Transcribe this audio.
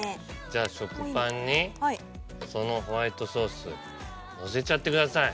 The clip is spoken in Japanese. じゃあ食パンにそのホワイトソースのせちゃってください。